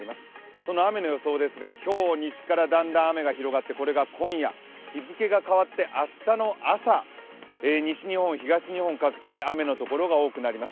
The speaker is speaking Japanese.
この雨の予想ですが、今日西からだんだん雨が広がってこれが今夜、日付が変わって明日の朝、西日本、東日本各地雨のところが多くなります。